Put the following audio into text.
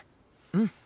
うん。